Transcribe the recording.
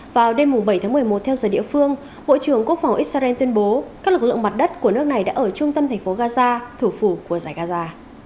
vào đêm bảy tháng một mươi một theo giờ địa phương bộ trưởng quốc phòng israel tuyên bố các lực lượng mặt đất của nước này đã ở trung tâm thành phố gaza thủ phủ của giải gaza